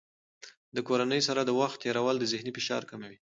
د کورنۍ سره د وخت تېرول د ذهني فشار کموي.